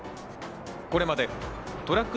これまでトラック